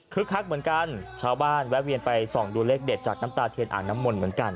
คักเหมือนกันชาวบ้านแวะเวียนไปส่องดูเลขเด็ดจากน้ำตาเทียนอ่างน้ำมนต์เหมือนกัน